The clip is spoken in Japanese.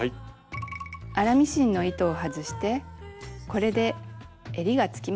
粗ミシンの糸を外してこれでえりがつきました。